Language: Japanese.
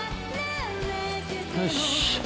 よし。